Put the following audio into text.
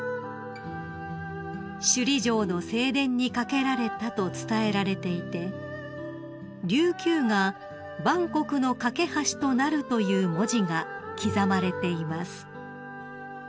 ［首里城の正殿に掛けられたと伝えられていて「琉球が万国の懸け橋となる」という文字が刻まれています］